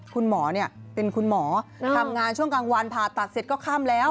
คุณหมอเป็นคุณหมอทำงานช่วงกลางวันผ่าตัดเสร็จก็ค่ำแล้ว